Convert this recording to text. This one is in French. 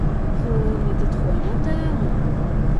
Rho mais t’es trop un menteur !